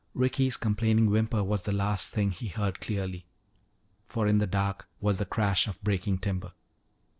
Ricky's complaining whimper was the last thing he heard clearly. For in the dark was the crash of breaking timber.